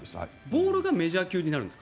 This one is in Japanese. ボールがメジャー級になるんですか？